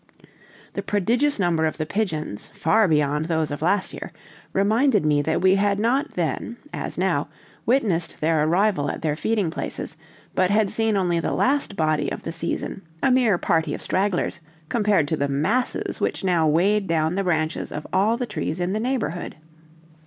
The prodigious number of the pigeons, far beyond those of last year, reminded me that we had not then, as now, witnessed their arrival at their feeding places, but had seen only the last body of the season, a mere party of stragglers, compared to the masses which now weighed down the branches of all the trees in the neighborhood.